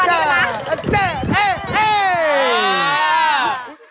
เต้นเอ่ยเอ่ย